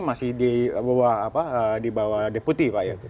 masih di bawah deputi pak ya